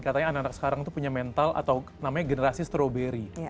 katanya anak anak sekarang itu punya mental atau namanya generasi stroberi